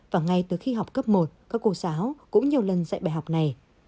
và ngay từ khi học cấp một các cô giáo cũng nhiều lần dạy bài học này